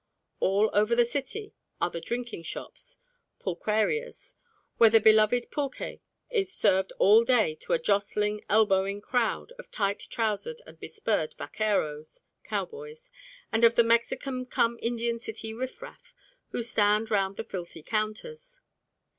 All over the city are the drinking shops (pulquerias) where the beloved pulque is served all day to a jostling, elbowing crowd of tight trousered and bespurred vaqueros (cowboys) and of the Mexican cum Indian city riff raff who stand round the filthy counters.